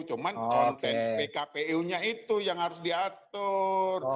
cuman konten pkpu nya itu yang harus diatur